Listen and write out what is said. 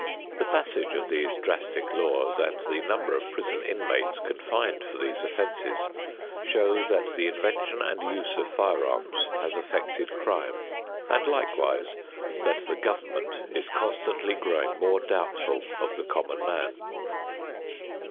The passage of these drastic laws and the number of prison inmates confined for these offenses show that the invention and use of firearms has affected crime, and likewise that the government is constantly growing more doubtful of the common man.